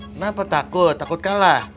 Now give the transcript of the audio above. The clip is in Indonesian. kenapa takut takut kalah